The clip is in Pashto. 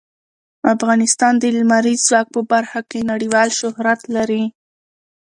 افغانستان د لمریز ځواک په برخه کې نړیوال شهرت لري.